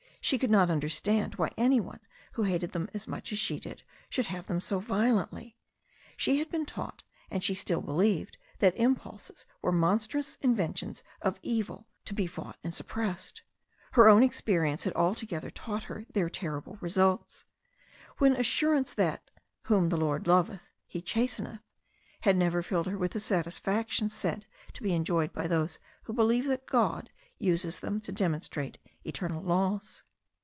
She could not understand why any one who hated them as much as she did should have them so violently. She had been taught and she still believed that impulses were monstrous inven tions of evil to be fought and suppressed. Her own ex perience had already taught her their terrible results. The assurance that "Whom the Lord loveth He chasteneth" had never filled her with the satisfaction said to be enjoyed by those who believe that God uses them to demonstrate eternal laws.